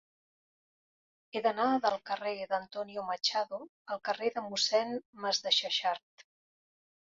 He d'anar del carrer d'Antonio Machado al carrer de Mossèn Masdexexart.